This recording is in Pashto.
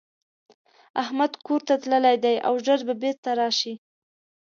احمدکورته تللی دی او ژر به بيرته راشي.